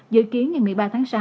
dự kiến ngày một mươi ba tháng sáu